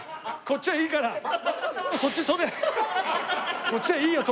こっちはいいよ